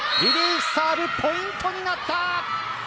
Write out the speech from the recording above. リリーフサーブポイントになった。